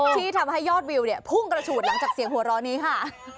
ที่ทำให้ยอดวิวเนี่ยพุ่งกระฉูดหลังจากเสียงหัวเราะนี้ค่ะ